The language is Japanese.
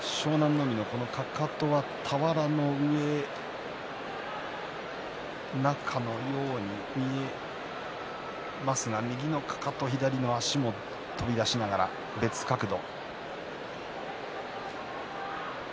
海のかかとが俵の上、中のように見えますが、右のかかと、左の足も飛び出しながら別角度。